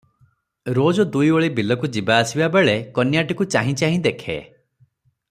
ରୋଜ ଦୁଇଓଳି ବିଲକୁ ଯିବା ଆସିବା ବେଳେ କନ୍ୟାଟିକୁ ଚାହିଁ ଚାହିଁ ଦେଖେ ।